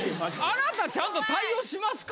あなたちゃんと対応しますか？